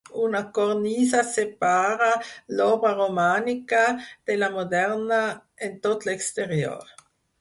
Una cornisa separa l'obra romànica de la moderna en tot l'exterior.